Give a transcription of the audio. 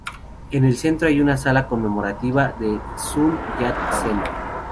En el centro hay una Sala Conmemorativa de Sun Yat-sen.